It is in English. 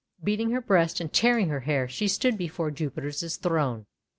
Beating her breast and tearing her hair, she stood before Jupiter's throne.